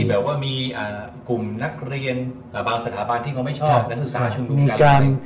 แบบว่ามีกลุ่มนักเรียนบางสถาบันที่เขาไม่ชอบนักศึกษาชุมนุมกัน